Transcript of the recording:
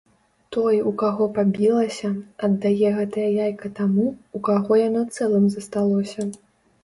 Той, у каго пабілася, аддае гэтае яйка таму, у каго яно цэлым засталося.